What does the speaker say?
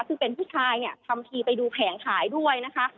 ซึ่งเป็นผู้ชายเนี่ยทำทีไปดูแผงขายด้วยนะคะ